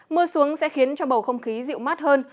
mưa xuống sẽ khiến cho bầu không khí dịu mát hơn